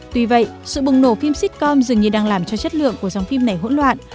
tuy vậy sự bùng nổ phim sitcom dường như đang làm cho chất lượng của dòng phim này hỗn loạn